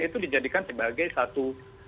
itu dijadikan sebagai satu